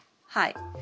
はい。